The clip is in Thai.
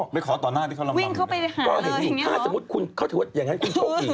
ไม่ขอต่อหน้าที่เขาลำเลยนะถ้าสมมุติคุณเขาถือว่าอย่างนั้นคุณโชคกี่